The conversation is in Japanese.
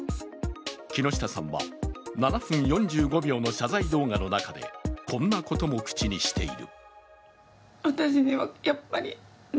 木下さんは７分４５秒の謝罪動画の中でこんなことも口にしている。